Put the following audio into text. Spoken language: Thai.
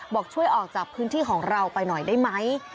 บอกช่วยออกจากพื้นที่ของเราไปหน่อยได้ไหม